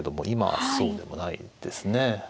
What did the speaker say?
今はそうでもないですね。